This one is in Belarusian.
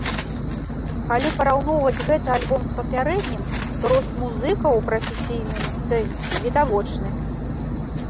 Калі параўноўваць гэты альбом з папярэднім, то рост музыкаў у прафесійным сэнсе відавочны.